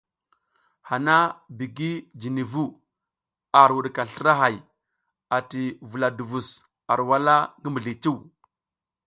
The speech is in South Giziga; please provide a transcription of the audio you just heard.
Hana bigi jini vu, ar wuɗika slra hay ati vula duvus ar wala ngi mizli cuw.